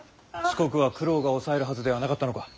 四国は九郎が押さえるはずではなかったのか。